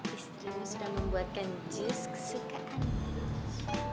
istrimu sudah membuatkan jus kesukaan